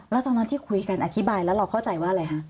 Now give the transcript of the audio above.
แล้วตอนนั้นที่คุยกันอธิบายแล้วเราเข้าใจว่าอะไรคะ